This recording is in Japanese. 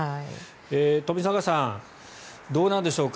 冨坂さんどうなんでしょうか。